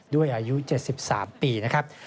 ด้วยอายุ๗๓ปีนะครับ